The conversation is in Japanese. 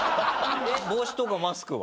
帽子とかマスクは？